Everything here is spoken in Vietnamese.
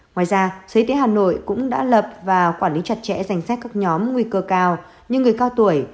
ngoài ra sở y tế hà nội cũng đã lập và quản lý chặt chẽ danh sách các nhóm nguy cơ cao như người cao tuổi